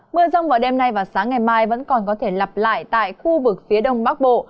mưa rông vào đêm nay và sáng ngày mai vẫn còn có thể lặp lại tại khu vực phía đông bắc bộ